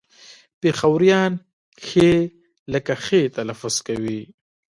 پېښوريان ښ لکه خ تلفظ کوي